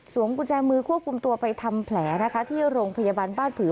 กุญแจมือควบคุมตัวไปทำแผลนะคะที่โรงพยาบาลบ้านผือ